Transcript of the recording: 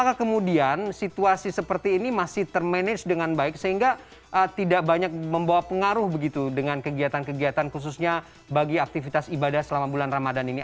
apakah kemudian situasi seperti ini masih termanage dengan baik sehingga tidak banyak membawa pengaruh begitu dengan kegiatan kegiatan khususnya bagi aktivitas ibadah selama bulan ramadan ini